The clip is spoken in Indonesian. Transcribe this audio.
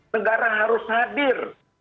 negara harus hadir